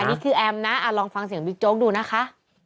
นี่คือแอมนะลองฟังเสียงบิ๊กโจ๊กดูนะคะ